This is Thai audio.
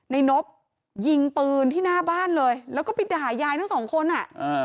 นบยิงปืนที่หน้าบ้านเลยแล้วก็ไปด่ายายทั้งสองคนอ่ะอ่า